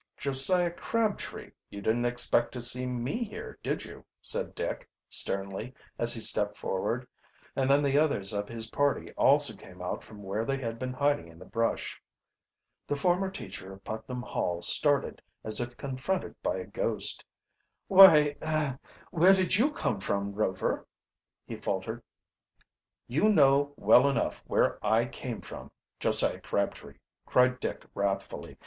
"Josiah Crabtree, you didn't expect to see me here, did you?" said Dick sternly, as he stepped forward. And then the others of his party also came out from where they had been hiding in the brush. The former teacher of Putnam Hall started as if confronted by a ghost. "Why er where did you come from, Rover?" he faltered. "You know well enough where I came from, Josiah Crabtree," cried Dick wrathfully.